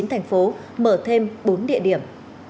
thành phố mở thêm bốn địa điểm